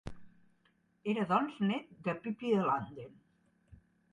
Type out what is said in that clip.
Era doncs nét de Pipí de Landen.